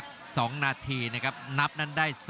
กรุงฝาพัดจินด้า